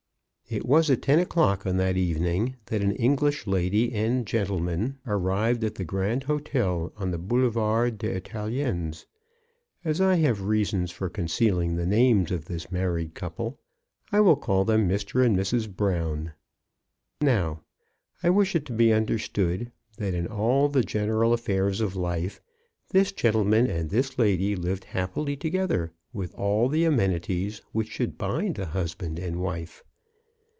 It was at ten o'clock on that evening that an English lady and trentleman arrived at the Grand H6tel on the Boulevard des Italiens. As I have reasons for concealing the names of this married couple, I will call them Mr. and Mrs. Brown. Now. I wish it to be understood that in all the gen eral affairs of life this gentleman and this lady lived happily together, with all the amenities which should bind a husband and a wife.